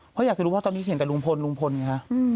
เพราะอยากจะรู้ว่าตอนนี้เห็นแต่ลุงพลลุงพลไงคะ